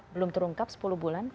belum terungkap sepuluh bulan